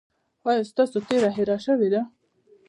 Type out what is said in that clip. ایا ستاسو تیره هیره شوې ده؟